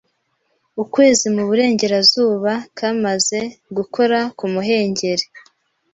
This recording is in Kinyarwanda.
Ukwezi mu burengerazuba kamaze gukora ku muhengeri